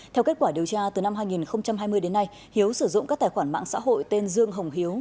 theo kết quả điều tra từ năm hai nghìn hai mươi đến nay hiếu sử dụng các tài khoản mạng xã hội tên dương hồng hiếu